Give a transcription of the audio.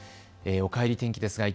おかえり天気です。